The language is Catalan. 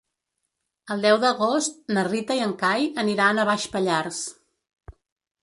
El deu d'agost na Rita i en Cai aniran a Baix Pallars.